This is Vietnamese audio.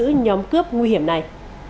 những nhóm cướp nguy hiểm này